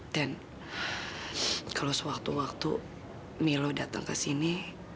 dan kalau suatu waktu milo datang ke sini